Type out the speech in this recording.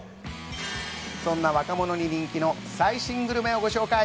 そんな若者に人気の最新グルメをご紹介。